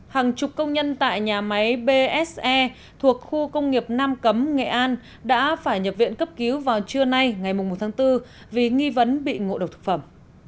hàng chục công nhân tại nhà máy bse thuộc khu công nghiệp nam cấm nghệ an đã phải nhập viện cấp cứu vào trưa nay ngày một tháng bốn vì nghi vấn bị ngộ độc thực phẩm